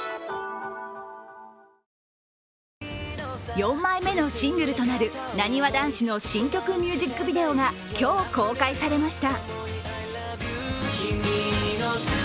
４枚目のシングルとなるなにわ男子の新曲ミュージックビデオが今日、公開されました。